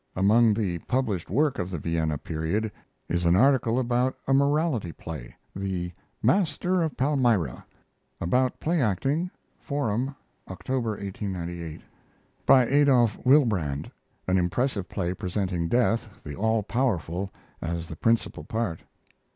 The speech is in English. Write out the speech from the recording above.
Among the published work of the Vienna period is an article about a morality play, the "Master of Palmyra," [About play acting, Forum, October, 1898.] by Adolf Wilbrandt, an impressive play presenting Death, the all powerful, as the principal part.